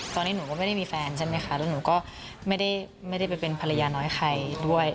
ตอนนี้หนูก็ไม่ได้มีแฟนใช่ไหมคะแล้วหนูก็ไม่ได้ไปเป็นภรรยาน้อยใครด้วย